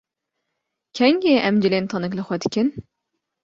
Kengî em cilên tenik li xwe dikin?